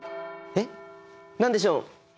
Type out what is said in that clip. えっ何でしょう？